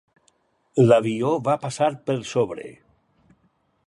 L'avió va passar per sobre.